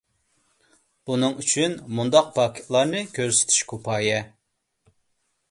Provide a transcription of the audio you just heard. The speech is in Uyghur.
بۇنىڭ ئۈچۈن مۇنداق پاكىتلارنى كۆرسىتىش كۇپايە.